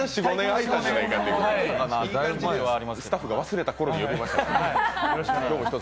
いい感じでスタッフが忘れたころに呼びました。